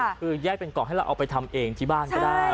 คือแยกเป็นกล่องให้เราเอาไปทำเองที่บ้านก็ได้